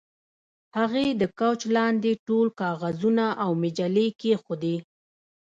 هغې د کوچ لاندې ټول کاغذونه او مجلې کیښودې